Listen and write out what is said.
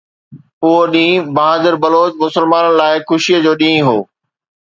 اهو ڏينهن بهادر بلوچ مسلمانن لاءِ خوشيءَ جو ڏينهن هو